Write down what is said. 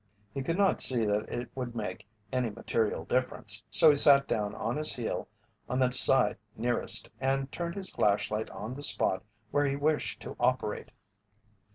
He could not see that it would make any material difference, so he sat down on his heel on the side nearest and turned his flashlight on the spot where he wished to operate.